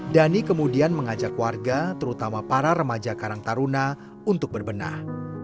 dhani kemudian mengajak warga terutama para remaja karang taruna untuk berbenah